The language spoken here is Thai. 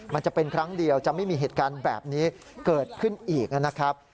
มันจะเป็นครั้งเดียวจะไม่มีเหตุการณ์แบบนี้เกิดขึ้นอีกนะครับ